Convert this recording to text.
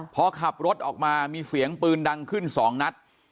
พอขับรถออกมามีเสียงปืนดังขึ้น๒นัด